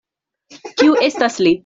Kiu estas li?